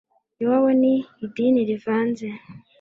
Iwabo ni idini rivanze